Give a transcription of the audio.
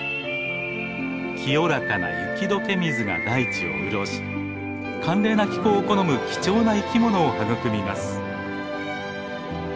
清らかな雪どけ水が大地を潤し寒冷な気候を好む貴重な生き物を育みます。